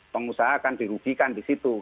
pengusaha akan dirugikan di situ